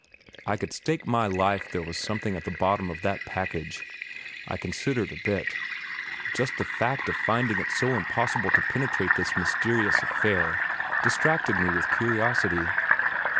I could stake my life there was something at the bottom of that package I considered a bit. Just the fact of finding it so impossible to penetrate this mysterious affair distracted me with curiosity.